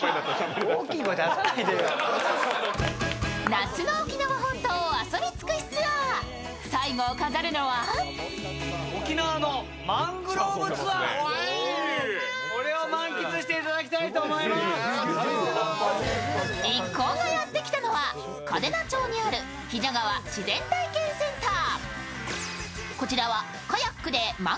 夏の沖縄本島を遊び尽くしツアー最後を飾るのは一行がやってきたのは嘉手納町にある比謝川自然体験センター。